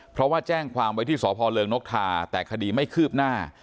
เพราะว่าแจ้งความไว้ที่สพเริงนกทาแต่คดีไม่คืบหน้า